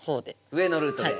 上のルートで。